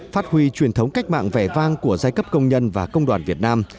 phát huy truyền thống cách mạng vẻ vang của giai cấp công nhân và công đoàn việt nam